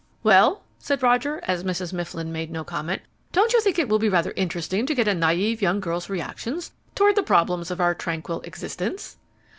"Well?" said Roger, as Mrs. Mifflin made no comment. "Don't you think it will be rather interesting to get a naive young girl's reactions toward the problems of our tranquil existence?"